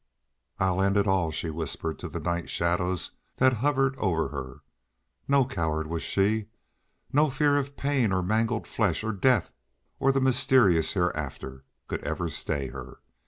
"I'll end it all," she whispered to the night shadows that hovered over her. No coward was she no fear of pain or mangled flesh or death or the mysterious hereafter could ever stay her.